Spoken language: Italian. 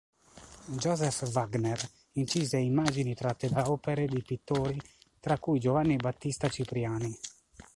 Joseph Wagner incise immagini tratte da opere di pittori, tra cui Giovanni Battista Cipriani.